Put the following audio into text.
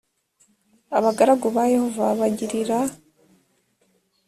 abagaragu ba yehova bagirira